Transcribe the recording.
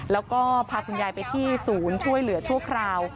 แล้วก็พาคุณยายไปที่ศูนย์ช่วยเหลือชั่วคราว